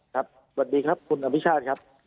สวัสดีครับคุณอภิชาติครับ